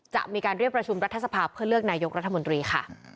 จะมีการเรียกประชุมรัฐสภาเพื่อเลือกนายกรัฐมนตรีค่ะ